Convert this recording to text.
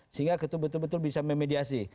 sehingga kita betul betul bisa memediasi